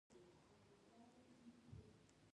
احمد پسکۍ ولي؛ هيڅ شی يې په وس نه دی پوره.